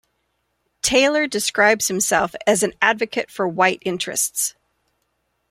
Taylor describes himself as an advocate for white interests.